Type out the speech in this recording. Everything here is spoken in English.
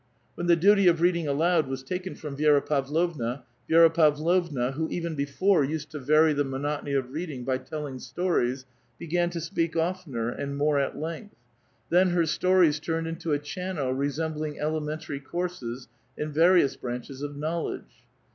When the duty of read ing aloud was taken from Vi^ra Pavlovna, Vi^ra Pavlovna, wlio even before used to vary the monotony of reading by t^Uinor stories, began to speak oftener and more at length ; then her stories turned into a channel resembling elementary ^nrses in various branches of knowledge.